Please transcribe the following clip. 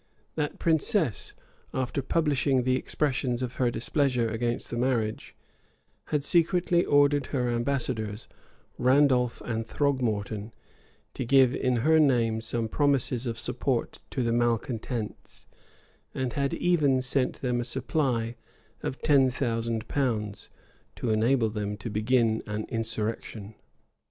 [] That princess, after publishing the expressions of her displeasure against the marriage, had secretly ordered her ambassadors, Randolf and Throgmorton, to give in her name some promises of support to the malecontents; and had even sent them a supply of ten thousand pounds, to enable them to begin an insurrection.